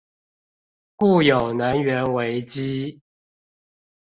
故有能源危機